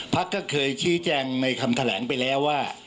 ก็เคยชี้แจงในคำแถลงไปแล้วว่า